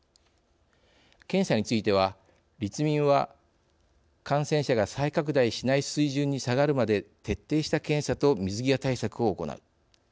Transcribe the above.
検査については立民は感染者が再拡大しない水準に下がるまで徹底した検査と水際対策を行う。